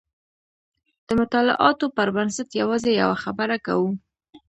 د مطالعاتو پر بنسټ یوازې یوه خبره کوو.